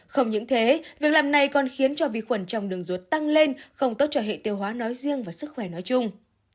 không những thế việc làm này còn khiến cho vi khuẩn trong đường ruột tăng lên không tốt cho hệ tiêu hóa nói riêng và sức khỏe nói chung